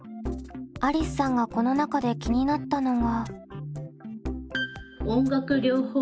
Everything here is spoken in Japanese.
ありすさんがこの中で気になったのが。